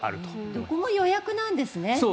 どこも予約なんですね。